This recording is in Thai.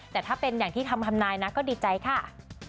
แต่ถ้าเป็นอย่างที่คำทำนายนะก็ดีใจค่ะ